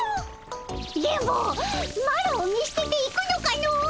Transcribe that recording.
電ボマロを見捨てて行くのかの！